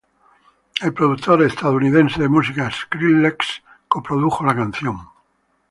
El productor estadounidense de música Skrillex co-produjo la canción.